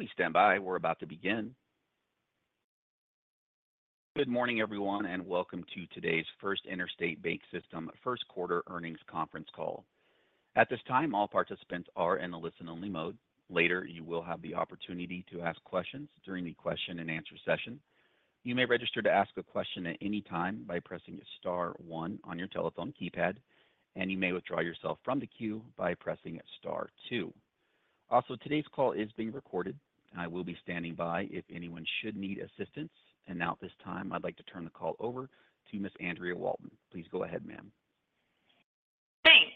Please stand by, we're about to begin. Good morning, everyone, and welcome to today's First Interstate BancSystem First Quarter Earnings Conference Call. At this time, all participants are in the listen-only mode. Later, you will have the opportunity to ask questions during the question-and-answer session. You may register to ask a question at any time by pressing star one on your telephone keypad, and you may withdraw yourself from the queue by pressing star two. Also, today's call is being recorded, and I will be standing by if anyone should need assistance. And now, at this time, I'd like to turn the call over to Ms. Andrea Walton. Please go ahead, ma'am. Thanks.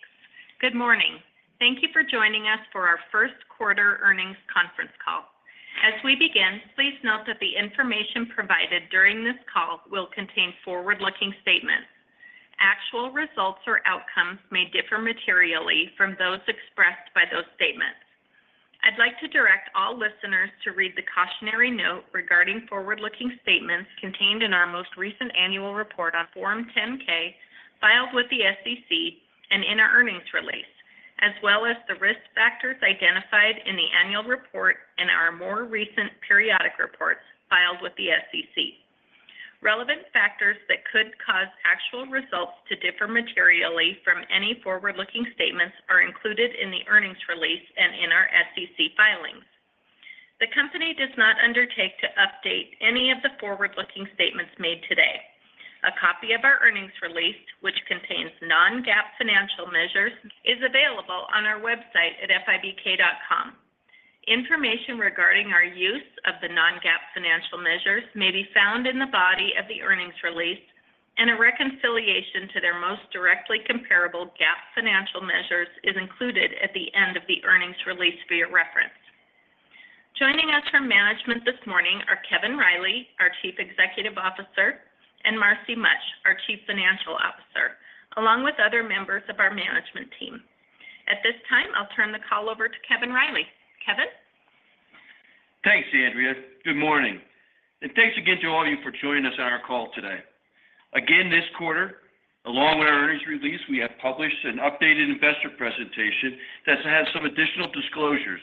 Good morning. Thank you for joining us for our First Quarter Earnings Conference Call. As we begin, please note that the information provided during this call will contain forward-looking statements. Actual results or outcomes may differ materially from those expressed by those statements. I'd like to direct all listeners to read the cautionary note regarding forward-looking statements contained in our most recent annual report on Form 10-K filed with the SEC and in our earnings release, as well as the risk factors identified in the annual report and our more recent periodic reports filed with the SEC. Relevant factors that could cause actual results to differ materially from any forward-looking statements are included in the earnings release and in our SEC filings. The company does not undertake to update any of the forward-looking statements made today. A copy of our earnings release, which contains non-GAAP financial measures, is available on our website at fibk.com. Information regarding our use of the non-GAAP financial measures may be found in the body of the earnings release, and a reconciliation to their most directly comparable GAAP financial measures is included at the end of the earnings release for your reference. Joining us from management this morning are Kevin Riley, our Chief Executive Officer, and Marcy Mutch, our Chief Financial Officer, along with other members of our management team. At this time, I'll turn the call over to Kevin Riley. Kevin? Thanks, Andrea. Good morning. Thanks again to all of you for joining us on our call today. Again, this quarter, along with our earnings release, we have published an updated investor presentation that has some additional disclosures,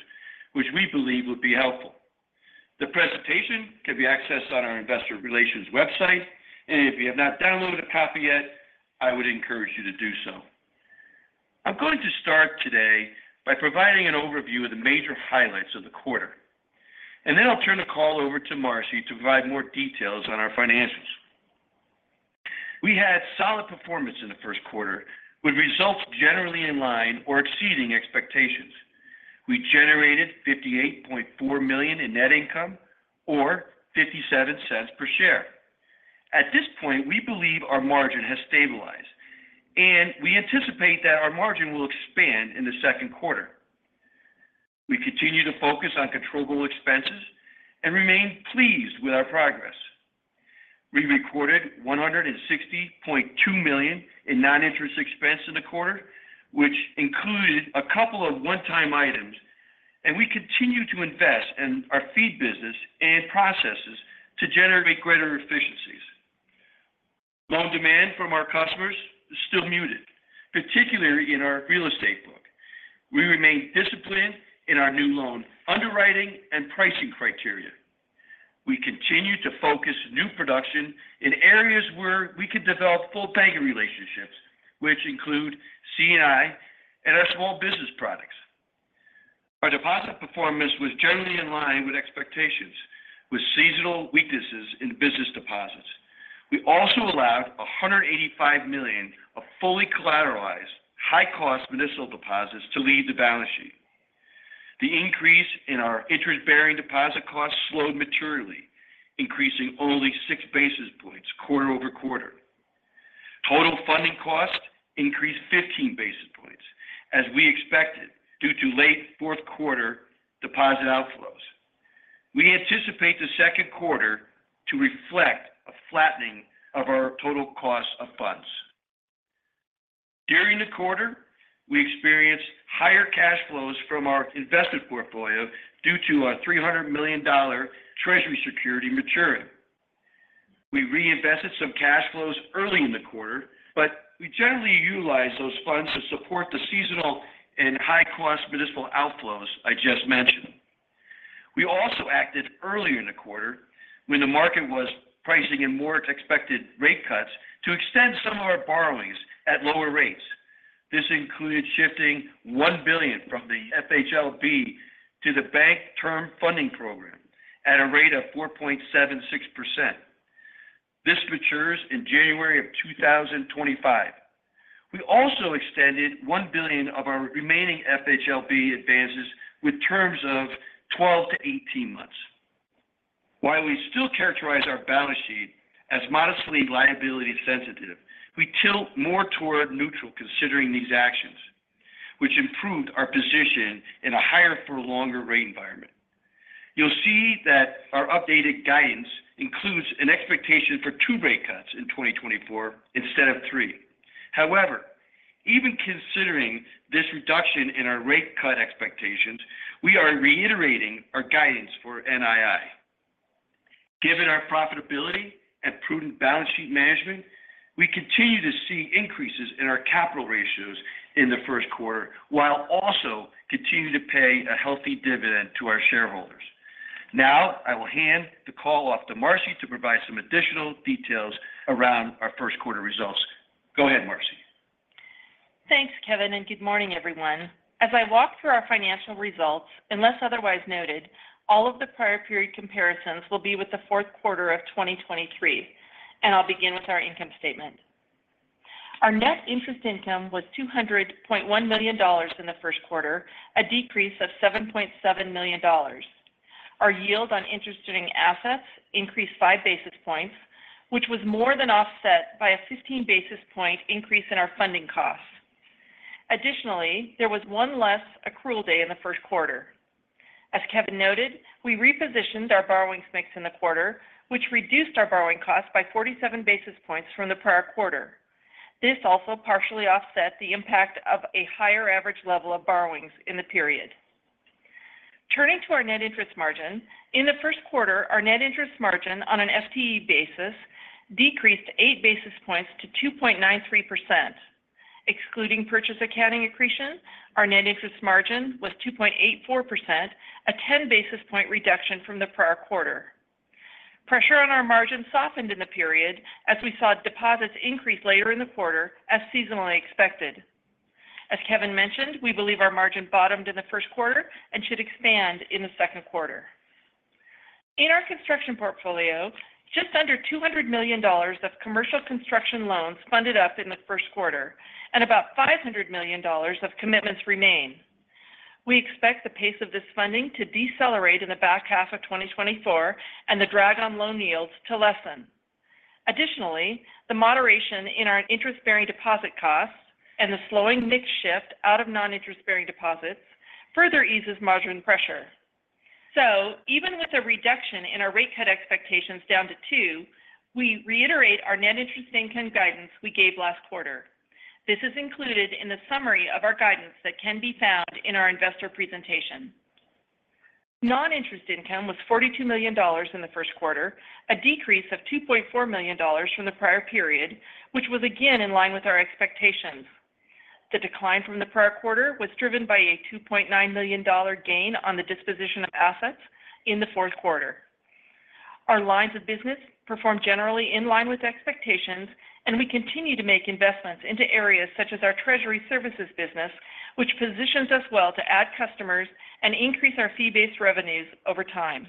which we believe would be helpful. The presentation can be accessed on our investor relations website, and if you have not downloaded a copy yet, I would encourage you to do so. I'm going to start today by providing an overview of the major highlights of the quarter, and then I'll turn the call over to Marcy to provide more details on our financials. We had solid performance in the first quarter, with results generally in line or exceeding expectations. We generated $58.4 million in net income or $0.57 per share. At this point, we believe our margin has stabilized, and we anticipate that our margin will expand in the second quarter. We continue to focus on controllable expenses and remain pleased with our progress. We recorded $160.2 million in non-interest expense in the quarter, which included a couple of one-time items, and we continue to invest in our fee business and processes to generate greater efficiencies. Loan demand from our customers is still muted, particularly in our real estate book. We remain disciplined in our new loan underwriting and pricing criteria. We continue to focus new production in areas where we can develop full banking relationships, which include C&I and our small business products. Our deposit performance was generally in line with expectations, with seasonal weaknesses in business deposits. We also allowed $185 million of fully collateralized, high-cost municipal deposits to leave the balance sheet. The increase in our interest-bearing deposit costs slowed materially, increasing only six basis points quarter-over-quarter. Total funding costs increased 15 basis points, as we expected, due to late fourth quarter deposit outflows. We anticipate the second quarter to reflect a flattening of our total cost of funds. During the quarter, we experienced higher cash flows from our investment portfolio due to our $300 million Treasury security maturing. We reinvested some cash flows early in the quarter, but we generally utilized those funds to support the seasonal and high-cost municipal outflows I just mentioned. We also acted earlier in the quarter, when the market was pricing in more expected rate cuts, to extend some of our borrowings at lower rates. This included shifting $1 billion from the FHLB to the Bank Term Funding Program at a rate of 4.76%. This matures in January of 2025. We also extended $1 billion of our remaining FHLB advances with terms of 12-18 months. While we still characterize our balance sheet as modestly liability-sensitive, we tilt more toward neutral considering these actions, which improved our position in a higher-for-longer rate environment. You'll see that our updated guidance includes an expectation for two rate cuts in 2024 instead of three. However, even considering this reduction in our rate cut expectations, we are reiterating our guidance for NII. Given our profitability and prudent balance sheet management, we continue to see increases in our capital ratios in the first quarter while also continuing to pay a healthy dividend to our shareholders. Now, I will hand the call off to Marcy to provide some additional details around our first quarter results. Go ahead, Marcy. Thanks, Kevin, and good morning, everyone. As I walk through our financial results, unless otherwise noted, all of the prior-period comparisons will be with the fourth quarter of 2023, and I'll begin with our income statement. Our net interest income was $200.1 million in the first quarter, a decrease of $7.7 million. Our yield on interest-bearing assets increased 5 basis points, which was more than offset by a 15 basis point increase in our funding costs. Additionally, there was one less accrual day in the first quarter. As Kevin noted, we repositioned our borrowings mix in the quarter, which reduced our borrowing costs by 47 basis points from the prior quarter. This also partially offset the impact of a higher average level of borrowings in the period. Turning to our net interest margin, in the first quarter, our net interest margin on an FTE basis decreased eight basis points to 2.93%. Excluding purchase accounting accretion, our net interest margin was 2.84%, a 10 basis point reduction from the prior quarter. Pressure on our margin softened in the period as we saw deposits increase later in the quarter, as seasonally expected. As Kevin mentioned, we believe our margin bottomed in the first quarter and should expand in the second quarter. In our construction portfolio, just under $200 million of commercial construction loans funded up in the first quarter, and about $500 million of commitments remain. We expect the pace of this funding to decelerate in the back half of 2024 and the drag on loan yields to lessen. Additionally, the moderation in our interest-bearing deposit costs and the slowing mix shift out of non-interest-bearing deposits further eases margin pressure. So even with a reduction in our rate cut expectations down to two, we reiterate our net interest income guidance we gave last quarter. This is included in the summary of our guidance that can be found in our investor presentation. Non-interest income was $42 million in the first quarter, a decrease of $2.4 million from the prior period, which was again in line with our expectations. The decline from the prior quarter was driven by a $2.9 million gain on the disposition of assets in the fourth quarter. Our lines of business performed generally in line with expectations, and we continue to make investments into areas such as our treasury services business, which positions us well to add customers and increase our fee-based revenues over time.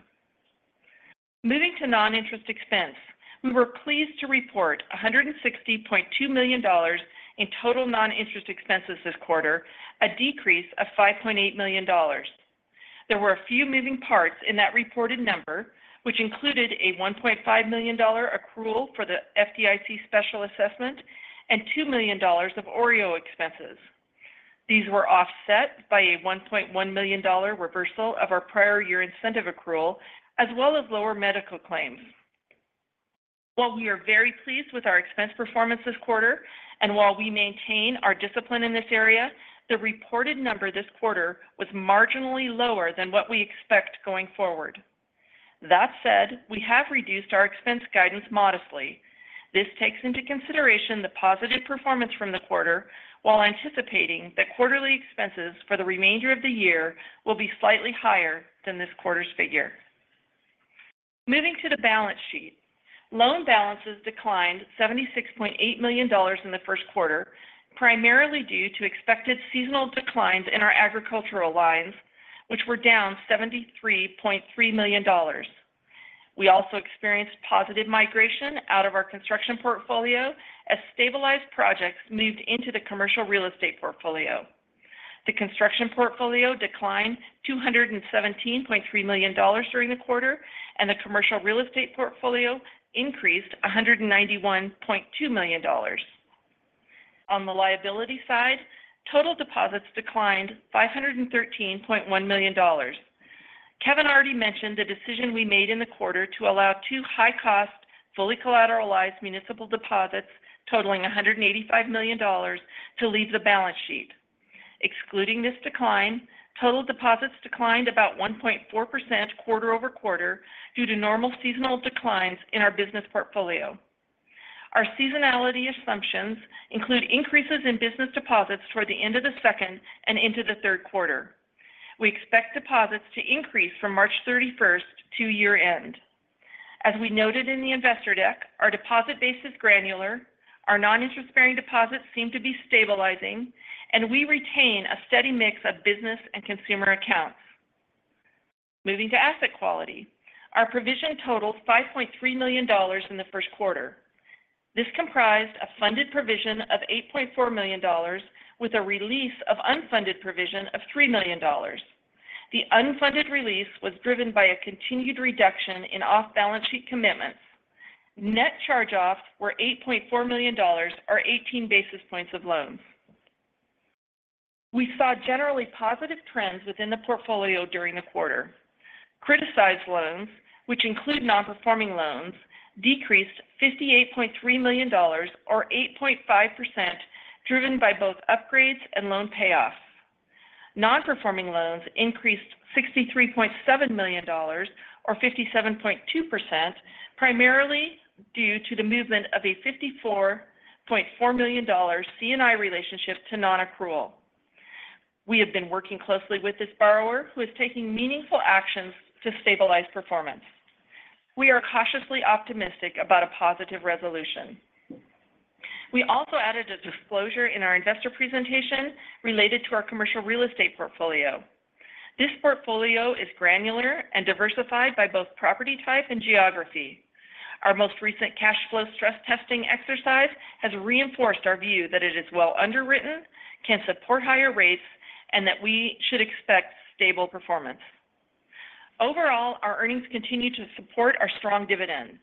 Moving to non-interest expense, we were pleased to report $160.2 million in total non-interest expenses this quarter, a decrease of $5.8 million. There were a few moving parts in that reported number, which included a $1.5 million accrual for the FDIC special assessment and $2 million of OREO expenses. These were offset by a $1.1 million reversal of our prior-year incentive accrual, as well as lower medical claims. While we are very pleased with our expense performance this quarter and while we maintain our discipline in this area, the reported number this quarter was marginally lower than what we expect going forward. That said, we have reduced our expense guidance modestly. This takes into consideration the positive performance from the quarter while anticipating that quarterly expenses for the remainder of the year will be slightly higher than this quarter's figure. Moving to the balance sheet, loan balances declined $76.8 million in the first quarter, primarily due to expected seasonal declines in our agricultural lines, which were down $73.3 million. We also experienced positive migration out of our construction portfolio as stabilized projects moved into the commercial real estate portfolio. The construction portfolio declined $217.3 million during the quarter, and the commercial real estate portfolio increased $191.2 million. On the liability side, total deposits declined $513.1 million. Kevin already mentioned the decision we made in the quarter to allow two high-cost, fully collateralized municipal deposits totaling $185 million to leave the balance sheet. Excluding this decline, total deposits declined about 1.4% quarter-over-quarter due to normal seasonal declines in our business portfolio. Our seasonality assumptions include increases in business deposits toward the end of the second and into the third quarter. We expect deposits to increase from March 31st to year-end. As we noted in the investor deck, our deposit base is granular, our non-interest-bearing deposits seem to be stabilizing, and we retain a steady mix of business and consumer accounts. Moving to asset quality, our provision totaled $5.3 million in the first quarter. This comprised a funded provision of $8.4 million with a release of unfunded provision of $3 million. The unfunded release was driven by a continued reduction in off-balance sheet commitments. Net charge-offs were $8.4 million or 18 basis points of loans. We saw generally positive trends within the portfolio during the quarter. Criticized loans, which include non-performing loans, decreased $58.3 million or 8.5%, driven by both upgrades and loan payoffs. Non-performing loans increased $63.7 million or 57.2%, primarily due to the movement of a $54.4 million C&I relationship to non-accrual. We have been working closely with this borrower, who is taking meaningful actions to stabilize performance. We are cautiously optimistic about a positive resolution. We also added a disclosure in our investor presentation related to our commercial real estate portfolio. This portfolio is granular and diversified by both property type and geography. Our most recent cash flow stress testing exercise has reinforced our view that it is well underwritten, can support higher rates, and that we should expect stable performance. Overall, our earnings continue to support our strong dividend.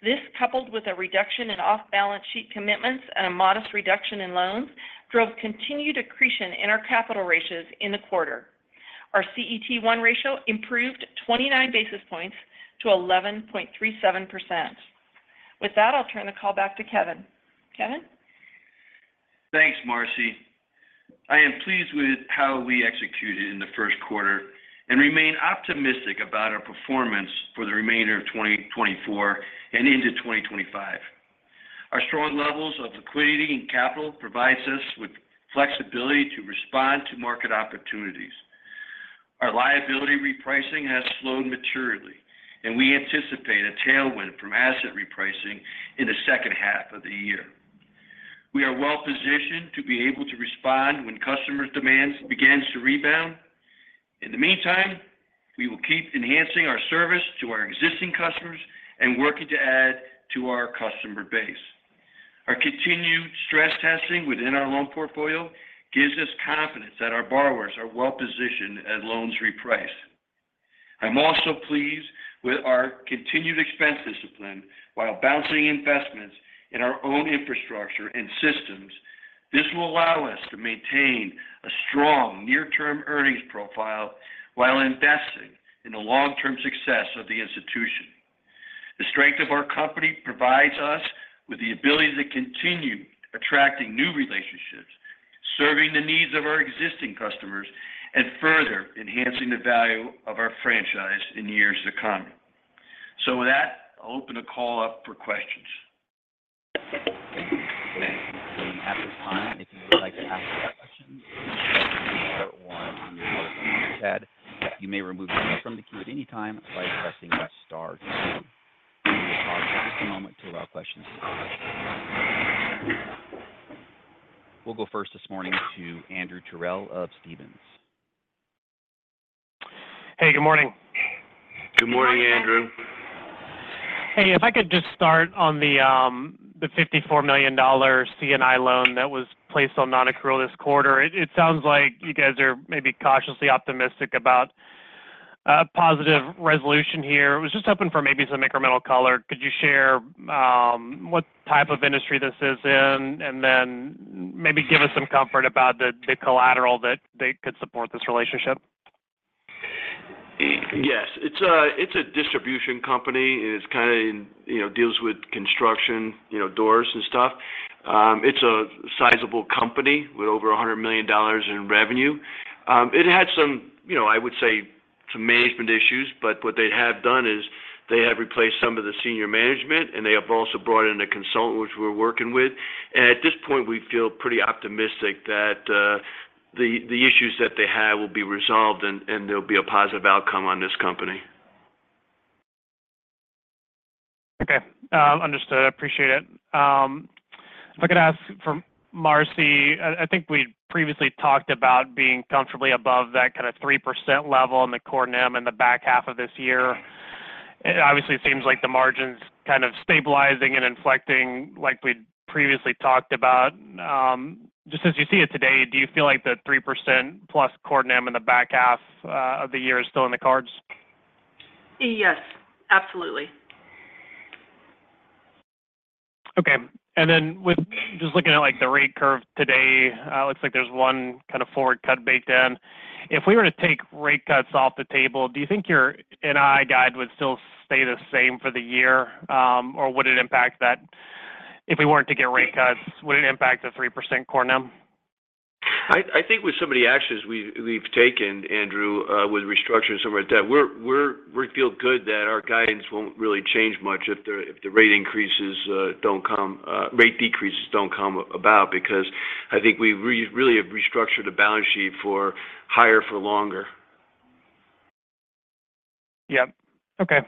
This, coupled with a reduction in off-balance sheet commitments and a modest reduction in loans, drove continued accretion in our capital ratios in the quarter. Our CET1 ratio improved 29 basis points to 11.37%. With that, I'll turn the call back to Kevin. Kevin? Thanks, Marcy. I am pleased with how we executed in the first quarter and remain optimistic about our performance for the remainder of 2024 and into 2025. Our strong levels of liquidity and capital provide us with flexibility to respond to market opportunities. Our liability repricing has slowed materially, and we anticipate a tailwind from asset repricing in the second half of the year. We are well positioned to be able to respond when customers' demands begin to rebound. In the meantime, we will keep enhancing our service to our existing customers and working to add to our customer base. Our continued stress testing within our loan portfolio gives us confidence that our borrowers are well positioned as loans reprice. I'm also pleased with our continued expense discipline. While balancing investments in our own infrastructure and systems, this will allow us to maintain a strong near-term earnings profile while investing in the long-term success of the institution. The strength of our company provides us with the ability to continue attracting new relationships, serving the needs of our existing customers, and further enhancing the value of our franchise in years to come. So with that, I'll open the call up for questions. Thank you. Next. At this time, if you would like to ask any questions, please press the Q&A or email the link on the chat. You may remove your mic from the queue at any time by pressing the star key. We will pause for just a moment to allow questions to come. We'll go first this morning to Andrew Terrell of Stephens. Hey, good morning. Good morning, Andrew. Hey, if I could just start on the $54 million C&I loan that was placed on non-accrual this quarter. It sounds like you guys are maybe cautiously optimistic about a positive resolution here. I was just hoping for maybe some incremental color. Could you share what type of industry this is in and then maybe give us some comfort about the collateral that could support this relationship? Yes. It's a distribution company. It kind of deals with construction doors and stuff. It's a sizable company with over $100 million in revenue. It had some, I would say, some management issues, but what they have done is they have replaced some of the senior management, and they have also brought in a consultant, which we're working with. And at this point, we feel pretty optimistic that the issues that they have will be resolved, and there'll be a positive outcome on this company. Okay. Understood. I appreciate it. If I could ask for Marcy, I think we'd previously talked about being comfortably above that kind of 3% level in the core NIM in the back half of this year. Obviously, it seems like the margin's kind of stabilizing and inflecting like we'd previously talked about. Just as you see it today, do you feel like the 3%-plus core NIM in the back half of the year is still in the cards? Yes. Absolutely. Okay. And then just looking at the rate curve today, it looks like there's one kind of forward cut baked in. If we were to take rate cuts off the table, do you think your NI guide would still stay the same for the year, or would it impact that if we weren't to get rate cuts, would it impact the 3% core NIM? I think with some of the actions we've taken, Andrew, with restructuring and stuff like that, we feel good that our guidance won't really change much if the rate decreases don't come about because I think we really have restructured the balance sheet for higher for longer. Yep. Okay.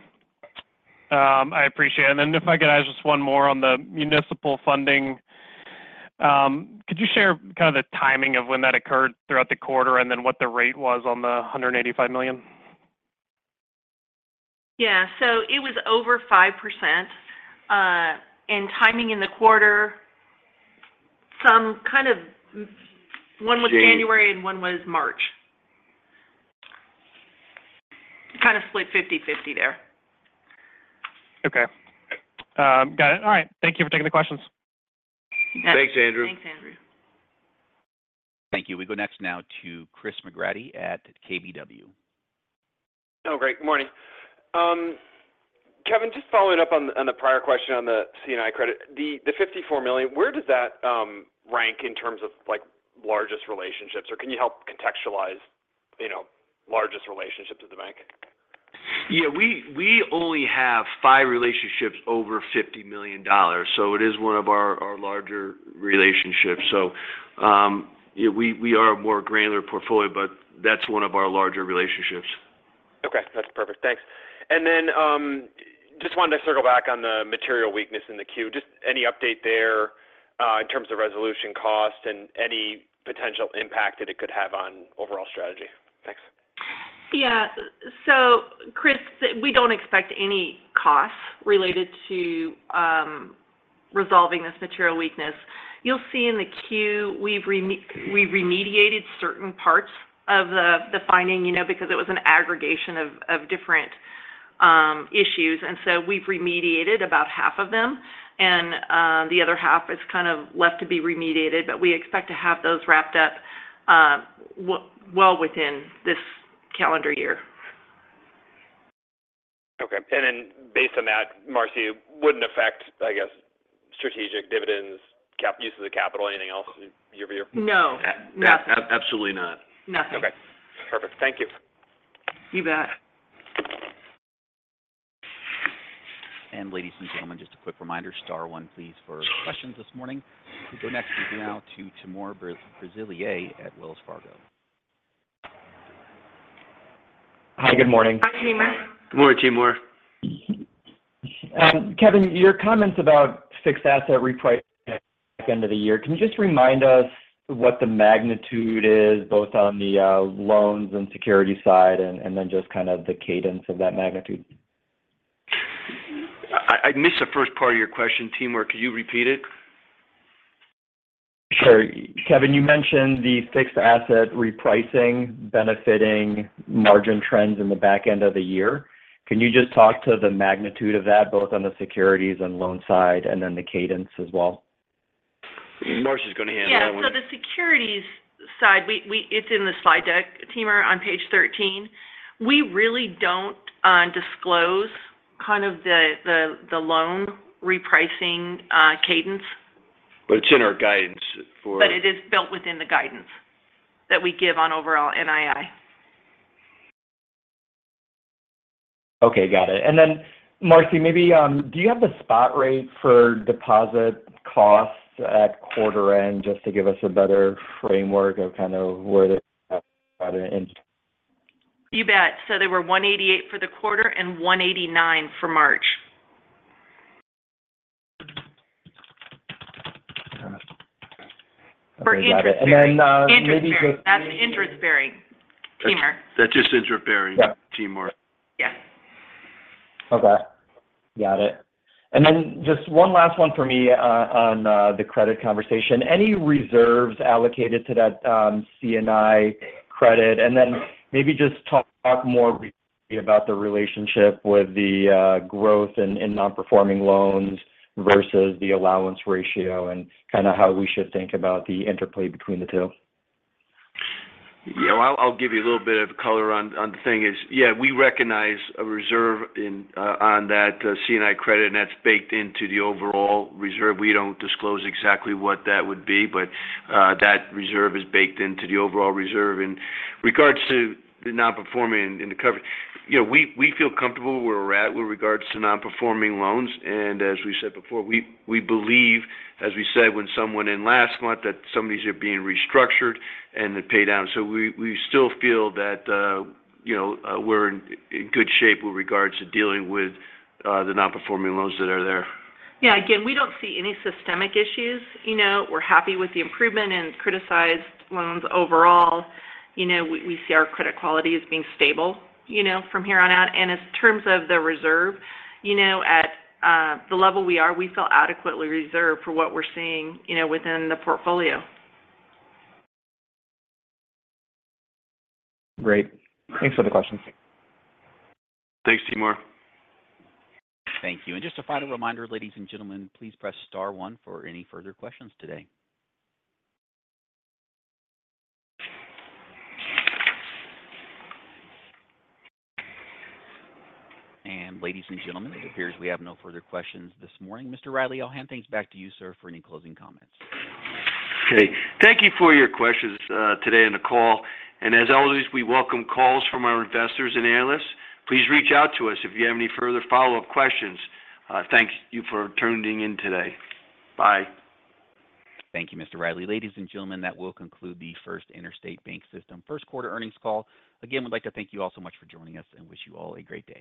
I appreciate it. And then if I could ask just one more on the municipal funding, could you share kind of the timing of when that occurred throughout the quarter and then what the rate was on the $185 million? Yeah. It was over 5%. Timing in the quarter, kind of one was January and one was March. Kind of split 50/50 there. Okay. Got it. All right. Thank you for taking the questions. Thanks, Andrew. Thanks, Andrew. Thank you. We go next now to Chris McGratty at KBW. Oh, great. Good morning. Kevin, just following up on the prior question on the C&I credit, the $54 million, where does that rank in terms of largest relationships, or can you help contextualize largest relationships at the bank? Yeah. We only have 5 relationships over $50 million, so it is one of our larger relationships. So we are a more granular portfolio, but that's one of our larger relationships. Okay. That's perfect. Thanks. And then just wanted to circle back on the material weakness in the Q. Just any update there in terms of resolution cost and any potential impact that it could have on overall strategy? Thanks. Yeah. So, Chris, we don't expect any costs related to resolving this material weakness. You'll see in the Q, we've remediated certain parts of the finding because it was an aggregation of different issues. And so we've remediated about half of them, and the other half is kind of left to be remediated. But we expect to have those wrapped up well within this calendar year. Okay. And then based on that, Marcy, it wouldn't affect, I guess, strategic dividends, use of the capital, anything else in your view? No. Nothing. Absolutely not. Nothing. Okay. Perfect. Thank you. You bet. Ladies and gentlemen, just a quick reminder, star one, please, for questions this morning. We go next now to Timur Braziler at Wells Fargo. Hi. Good morning. Hi, Timur. Good morning, Timur. Kevin, your comments about fixed asset repricing at the end of the year, can you just remind us what the magnitude is, both on the loans and securities side, and then just kind of the cadence of that magnitude? I missed the first part of your question, Timur. Could you repeat it? Sure. Kevin, you mentioned the fixed asset repricing benefiting margin trends in the back end of the year. Can you just talk to the magnitude of that, both on the securities and loan side, and then the cadence as well? Marcy's going to handle that one. Yeah. So the securities side, it's in the slide deck, Timur, on page 13. We really don't disclose kind of the loan repricing cadence. But it's in our guidance for. But it is built within the guidance that we give on overall NII. Okay. Got it. And then, Marcy, maybe do you have the spot rate for deposit costs at quarter-end just to give us a better framework of kind of where they're at? You bet. So they were 1.88% for the quarter and 1.89% for March. Got it. And then maybe just. That's interest bearing, Timur. That's just interest bearing, Timur. Yes. Okay. Got it. And then just one last one for me on the credit conversation. Any reserves allocated to that C&I credit? And then maybe just talk more briefly about the relationship with the growth in non-performing loans versus the allowance ratio and kind of how we should think about the interplay between the two. Yeah. Well, I'll give you a little bit of color on the thing is. Yeah, we recognize a reserve on that C&I credit, and that's baked into the overall reserve. We don't disclose exactly what that would be, but that reserve is baked into the overall reserve. In regards to the non-performing in the coverage, we feel comfortable where we're at with regards to non-performing loans. And as we said before, we believe, as we said when someone in last month, that some of these are being restructured and they pay down. So we still feel that we're in good shape with regards to dealing with the non-performing loans that are there. Yeah. Again, we don't see any systemic issues. We're happy with the improvement in criticized loans overall. We see our credit quality as being stable from here on out. In terms of the reserve, at the level we are, we feel adequately reserved for what we're seeing within the portfolio. Great. Thanks for the questions. Thanks, Timur. Thank you. And just a final reminder, ladies and gentlemen, please press star one for any further questions today. And ladies and gentlemen, it appears we have no further questions this morning. Mr. Riley, I'll hand things back to you, sir, for any closing comments. Okay. Thank you for your questions today in the call. As always, we welcome calls from our investors and analysts. Please reach out to us if you have any further follow-up questions. Thank you for tuning in today. Bye. Thank you, Mr. Riley. Ladies and gentlemen, that will conclude the First Interstate BancSystem first-quarter earnings call. Again, we'd like to thank you all so much for joining us and wish you all a great day.